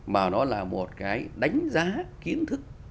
mà nó là một cái đánh giá kiến thức